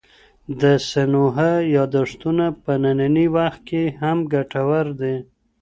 د سینوهه یاداښتونه په ننني وخت کي هم ګټور دي.